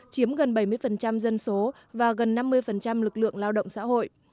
chiếm gần bảy mươi dân số và gần năm mươi lực lượng lao động xã hội